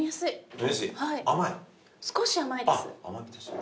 少し甘いです。